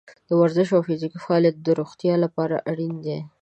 د ورزش او فزیکي فعالیت د روغتیا لپاره اړین دی.